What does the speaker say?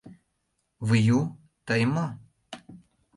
— Выю, тый мо?